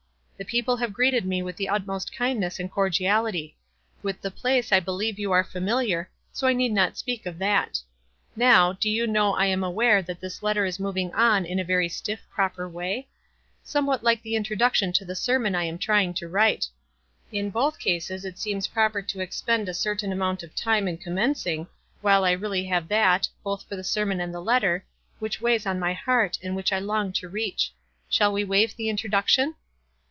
The people have greeted me with the utmost kindness and cordiality. With the place I believe you are familiar, so I need not speak of that. Now, do you know I am aware that this letter is moving on in a very stiff, WISE AND OTHERWISE. 145 proper way? Somewhat like the introduction to the sermon I am trying to write. In both cases it seems proper to expend a certain amount of time in commencing, while I really have that, both for the sermon and the letter, which weighs on my heart, and which I long to reach. Shall we waive the introduction?